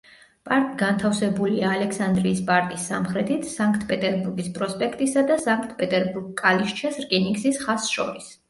პარკი განთავსებულია ალექსანდრიის პარკის სამხრეთით სანქტ-პეტერბურგის პროსპექტისა და სანქტ-პეტერბურგ–კალიშჩეს რკინიგზის ხაზს შორის.